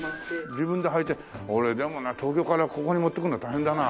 自分ではいて俺でもな東京からここに持ってくるのは大変だな。